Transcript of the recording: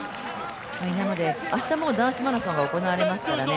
明日は男子マラソンが行われますからね。